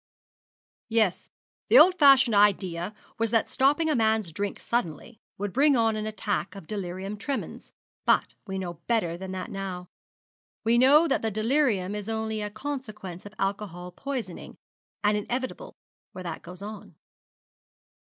'Yes. The old fashioned idea was that stopping a man's drink suddenly would bring on an attack of delirium tremens; but we know better than that now. We know that the delirium is only a consequence of alcoholic poisoning, and inevitable where that goes on.'